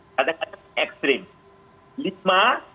ada yang katakan ekstrim